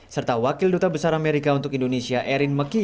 serta wakil duta besar amerika untuk indonesia erin mckey